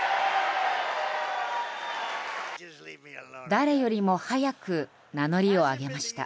誰よりも早く名乗りを上げました。